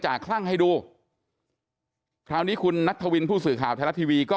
คลั่งให้ดูคราวนี้คุณนัทธวินผู้สื่อข่าวไทยรัฐทีวีก็